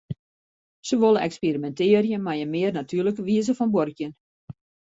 Se wolle eksperimintearje mei in mear natuerlike wize fan buorkjen.